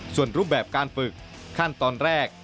ส่วนรูปแบบการฝึกขั้นตอนแรก